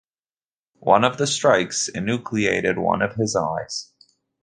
One of the strikes enucleated one of his eyes.